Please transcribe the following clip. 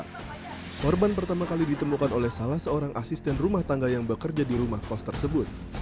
korban pertama kali ditemukan oleh salah seorang asisten rumah tangga yang bekerja di rumah kos tersebut